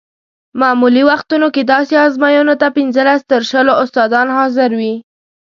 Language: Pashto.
معمولي وختونو کې داسې ازموینو ته پنځلس تر شلو استادان حاضر وي.